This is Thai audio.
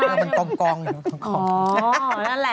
นั่นแหละเขาก็ดอกไม้ส่งต่ำให้นั่งดีกว่า